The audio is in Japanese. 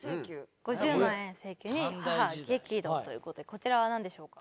「５０万円請求に母激怒！」という事でこちらはなんでしょうか？